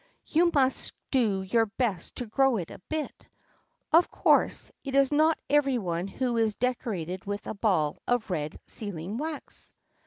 You must do your best to grow a bit. Of course, it is not every one who is decorated with a ball of red sealing wax!"